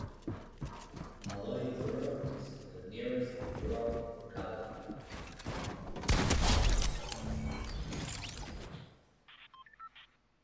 Maloye Uro is the nearest rural locality.